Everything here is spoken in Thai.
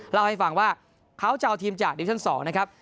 เล่าให้ฟังว่าเขาจะเอาทีมจากดิวิชั่นสมบัติชีพไทย